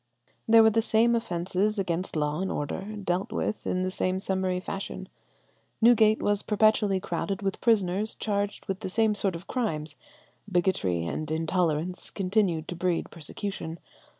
There were the same offences against law and order, dealt with in the same summary fashion. Newgate was perpetually crowded with prisoners charged with the same sort of crimes. Bigotry and intolerance continued to breed persecution.